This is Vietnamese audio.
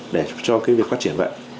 để cho cái việc phát triển vậy